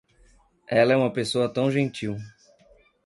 Ela é uma pessoa tão gentil.